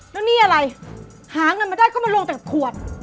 แล้วนี่อะไรหาเงินมาได้ก็มาลงแต่ขวด